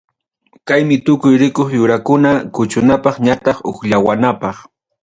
Kaymi tukuy rikuq yurakuna, kuchunapaq ñataq hukllawanapaq.